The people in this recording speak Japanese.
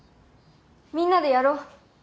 みんなでやろう。